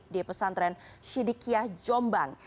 di pesantren sidikiah jombang